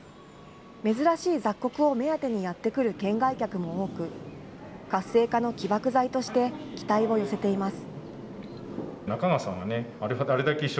珍しい雑穀を目当てにやって来る県外客も多く、活性化の起爆剤として期待を寄せています。